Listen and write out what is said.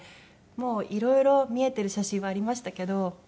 もういろいろ見えてる写真はありましたけど。